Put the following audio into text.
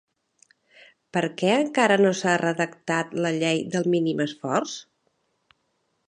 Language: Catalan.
Per què encara no s'ha redactat la llei del mínim esforç?